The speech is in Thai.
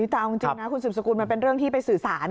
แต่เอาจริงนะคุณสืบสกุลมันเป็นเรื่องที่ไปสื่อสาร